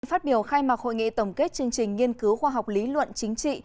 phát biểu khai mạc hội nghị tổng kết chương trình nghiên cứu khoa học lý luận chính trị